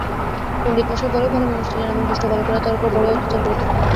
পণ্ডিতমশাই বড়োই ভালোমানুষ ছিলেন এবং দুষ্ট বালকেরা তাঁহার উপর বড়োই অত্যাচার করিত।